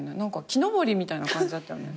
木登りみたいな感じだったよね。